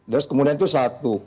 terus kemudian itu satu